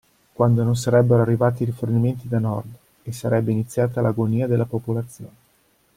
Quando non sarebbero arrivati rifornimenti da Nord, e sarebbe iniziata l'agonia della popolazione.